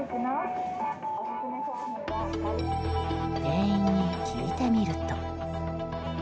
店員に聞いてみると。